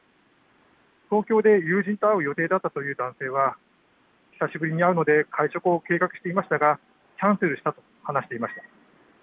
東京で友人と会う予定だったという男性は久しぶりに会うので会食を計画していましたがキャンセルしたと話していました。